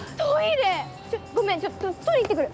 ごめん取り行ってくる。